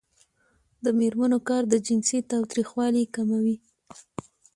د میرمنو کار د جنسي تاوتریخوالي کموي.